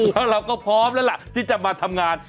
แล้วเราก็พร้อมแล้วล่ะที่จะมาทำงาน